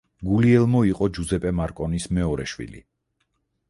გულიელმო იყო ჯუზეპე მარკონის მეორე შვილი.